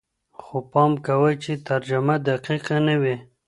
خو پام کوئ چې ترجمه دقیقه نه وي.